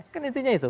kan intinya itu